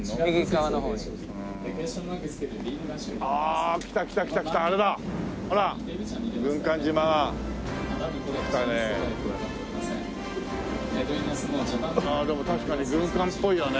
ああでも確かに軍艦っぽいよね。